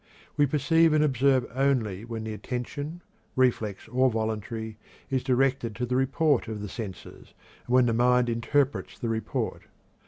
We perceive and observe only when the attention, reflex or voluntary, is directed to the report of the senses, and when the mind interprets the report.